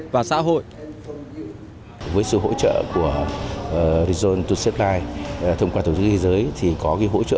và xã hội